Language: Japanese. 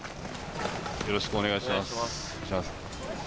よろしくお願いします。